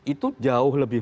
itu jauh lebih